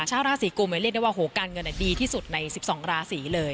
ชาวราศีกุมเรียกได้ว่าการเงินดีที่สุดใน๑๒ราศีเลย